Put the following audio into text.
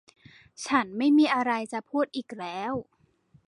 ฉันไม่มีอะไรจะพูดอีกแล้ว